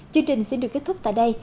chương trình xin được kết thúc tại đây